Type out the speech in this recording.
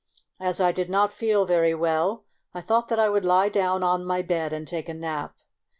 As I did not feel very well, I thought that I would lie down on my bed and take a nap.